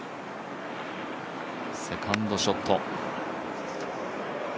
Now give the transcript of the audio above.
セカンドショット。